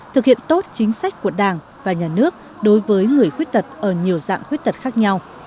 thực hiện tốt chính sách của đảng và nhà nước đối với người khuyết tật ở nhiều dạng khuyết tật khác nhau